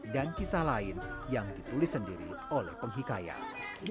dan kisah lain yang ditulis sendiri oleh penghikayat